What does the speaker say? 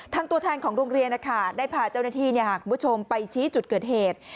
ตัวแทนของโรงเรียนได้พาเจ้าหน้าที่คุณผู้ชมไปชี้จุดเกิดเหตุ